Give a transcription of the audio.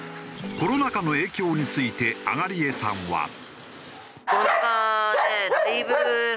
コロナ禍の影響について東江さんは。